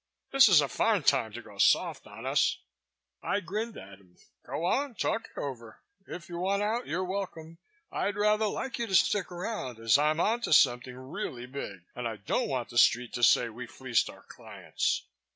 This is a fine time to go soft on us." I grinned at him. "Go on, talk it over. If you want out, you're welcome. I'd rather like you to stick around, as I'm on to something really big and I don't want the Street to say we fleeced our clients."